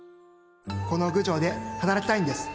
この郡上で働きたいんです！